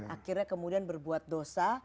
akhirnya kemudian berbuat dosa